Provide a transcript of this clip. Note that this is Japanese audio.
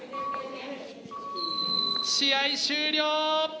試合終了。